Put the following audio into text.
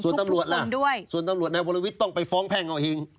ส่วนตำรวจล่ะส่วนตำรวจนายวรวิทย์ต้องไปฟ้องแพ่งเอาเอง